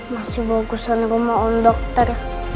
masih bagusan rumah om dokter